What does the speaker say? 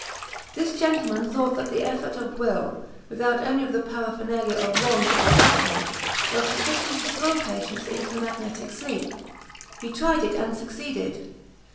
This gentleman thought the effort of the will, without any of the paraphernalia of wands or baquets, was sufficient to throw patients into the magnetic sleep. He tried it and succeeded.